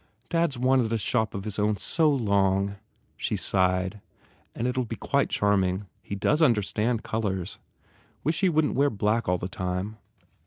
"Dad s wanted a shop of his own so long," she sighed, "And it ll be quite charming. He does understand colours! Wish he wouldn t wear black all the time.